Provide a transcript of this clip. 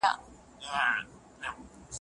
په ورغویو وړي